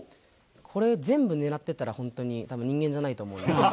これ、全部狙ってたら、本当にたぶん人間じゃないと思うんで。